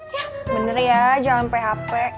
ya bener ya jangan php